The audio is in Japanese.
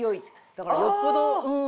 だからよっぽどうん。